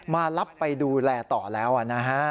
มารับไปดูแลต่อแล้วนะฮะ